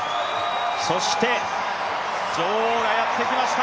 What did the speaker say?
そして、女王がやってきました。